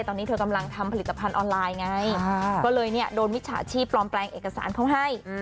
ตอนนี้เธอกำลังทำผลิตภัณฑ์ออนไลน์ไงก็เลยเนี่ยโดนมิจฉาชีพปลอมแปลงเอกสารเขาให้